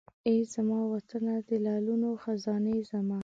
ای زما وطنه د لعلونو خزانې زما!